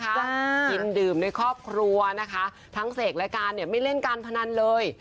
กินดื่มในครอบครัวนะคะทั้งเสกและการเนี่ยไม่เล่นการพนันเลย